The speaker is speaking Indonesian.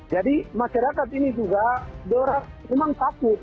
jadi masyarakat ini juga dorang memang takut